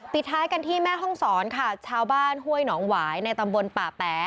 ท้ายกันที่แม่ห้องศรค่ะชาวบ้านห้วยหนองหวายในตำบลป่าแป๋